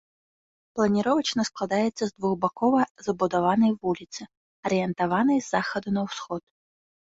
Планіровачна складаецца з двухбакова забудаванай вуліцы, арыентаванай з захаду на ўсход.